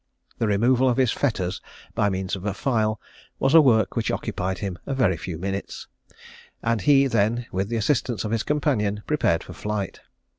The removal of his fetters by means of a file was a work which occupied him a very few minutes, and he then, with the assistance of his companion, prepared for flight.